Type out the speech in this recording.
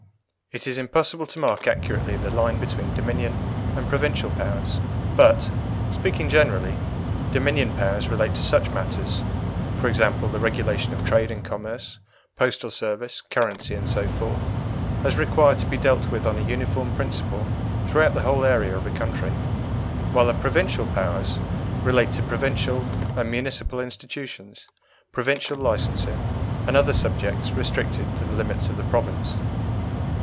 It is impossible to mark accurately the line between Dominion and Provincial powers, but, speaking generally, Dominion powers relate to such matters for example, the regulation of trade and commerce, postal service, currency, and so forth as require to be dealt with on a uniform principle throughout the whole area of a country; while the Provincial powers relate to provincial and municipal institutions, provincial licensing, and other subjects restricted to the limits of the province.